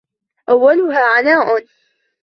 أَوَّلُهَا عَنَاءٌ